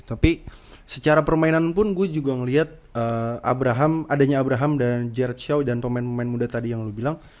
tapi secara permainan pun gue juga ngeliat adanya abraham dan jeret show dan pemain pemain muda tadi yang lo bilang